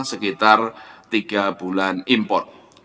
sekitar tiga bulan import